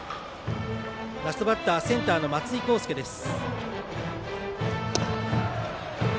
ラストバッターセンターの松井康祐です。